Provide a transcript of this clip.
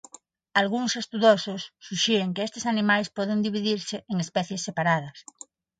Algúns estudosos suxiren que estes animais poden dividirse en especies separadas.